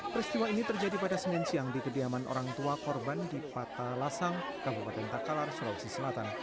peristiwa ini terjadi pada senin siang di kediaman orang tua korban di patalasang kabupaten takalar sulawesi selatan